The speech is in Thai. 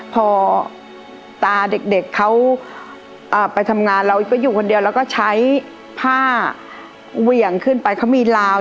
พอตาเด็กเขาไปทำงานเราก็อยู่คนเดียวแล้วก็ใช้ผ้าเหวี่ยงขึ้นไปเขามีลาว